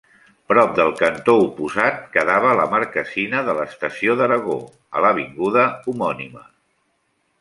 Prop del cantó oposat quedava la marquesina de l'Estació d'Aragó, a l'avinguda homònima.